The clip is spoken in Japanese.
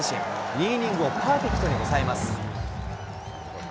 ２イニングをパーフェクトに抑えます。